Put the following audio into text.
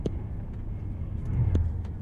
زرین انځور د ادب په برخه کي ډېر کار کړی دئ.